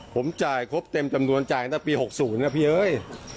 ผมจ่ายครบเต็มจำนวนจ่ายตั้งแต่ปี๖๐นะพี่เอ้ย